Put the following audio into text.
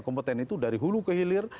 kompeten itu dari hulu ke hilir